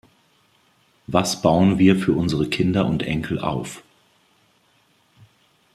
Was bauen wir für unsere Kinder und Enkel auf?